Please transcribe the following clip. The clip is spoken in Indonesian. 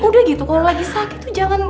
udah gitu kalau lagi sakit tuh jangan